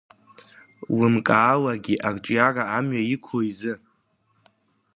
Лымкаалагьы арҿиара амҩа иқәло изы…